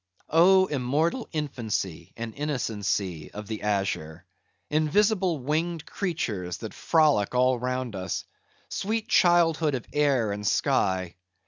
Oh, immortal infancy, and innocency of the azure! Invisible winged creatures that frolic all round us! Sweet childhood of air and sky!